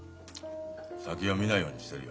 先は見ないようにしてるよ。